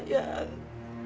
dina gak tau